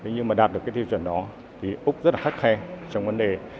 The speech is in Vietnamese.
nhưng mà đạt được cái tiêu chuẩn đó thì úc rất là khắt khe trong vấn đề